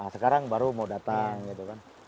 sekarang baru mau datang gitu kan